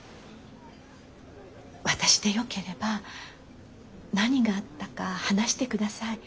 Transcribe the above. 私でよければ何があったか話してください。